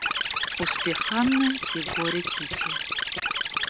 Успех Анны и горе Кити.